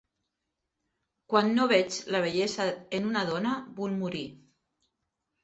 Quan no veig la bellesa en una dona, vull morir.